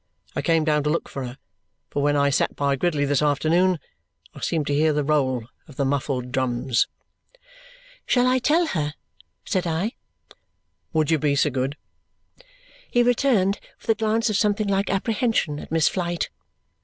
I came down to look for her, for when I sat by Gridley this afternoon, I seemed to hear the roll of the muffled drums." "Shall I tell her?" said I. "Would you be so good?" he returned with a glance of something like apprehension at Miss Flite.